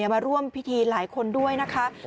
มาร่วมพิธีหลายคนด้วยนะคะ